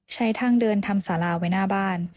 ทางเดินทำสาราไว้หน้าบ้าน